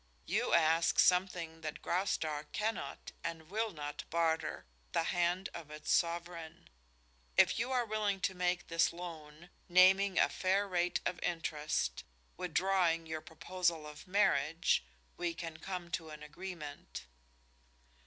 "You ask something that Graustark cannot and will not barter the hand of its Sovereign. If you are willing to make this loan, naming a fair rate of interest, withdrawing your proposal of marriage, we can come to an agreement."